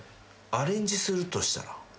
アレンジするとしたら？